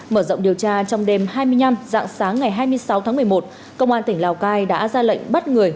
mở rộng điều tra trong đêm hai mươi năm dạng sáng ngày hai mươi sáu tháng một mươi một công an tỉnh lào cai đã ra lệnh bắt người